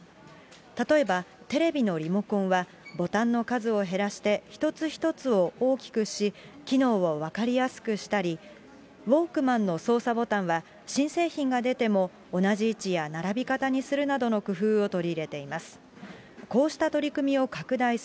例えば、テレビのリモコンはボタンの数を減らして、一つ一つを大きくし、機能を分かりやすくしたり、ウォークマンの操作ボタンは、新製品が出ても同じ位置や並び方にするなどの工夫を取り入れています。